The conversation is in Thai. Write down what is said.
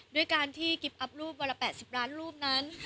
ด้วยการที่กิ๊บอัพรูปวันละ๘๐ล้านรูปนั้น